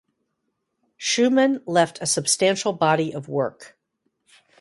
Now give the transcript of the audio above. Schuman left a substantial body of work.